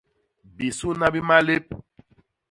Bisuna bi malép.